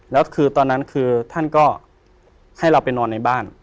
แล้วคือตอนนั้นคือท่านก็ให้เราไปนอนในบ้าน